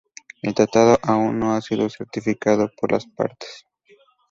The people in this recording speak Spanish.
El tratado aún no ha sido ratificado por las partes.